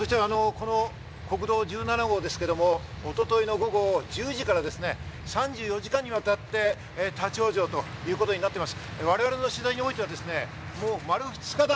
国道１７号ですけれども、一昨日の午後１０時から３４時間にわたって立ち往生ということになっています。